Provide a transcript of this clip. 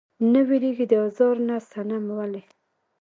نۀ ويريږي د ازار نه صنم ولې؟